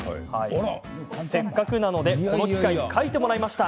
せっかくなので、この機会に描いてもらいました。